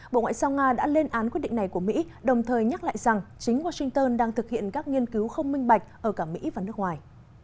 bộ ngoại giao nga đã lên án quyết định này của mỹ đồng thời nhắc lại rằng chính washington đang thực hiện các nghiên cứu không minh bạch ở cả mỹ và nước ngoài